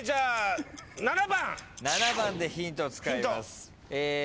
７番でヒント使います。